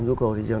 nhu cầu thị trường